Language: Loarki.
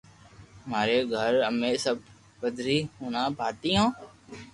ماري گھر امي سب پندھري ھڻا ڀاتي ھين